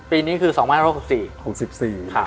ปีนี้คือศ๒๐๖๔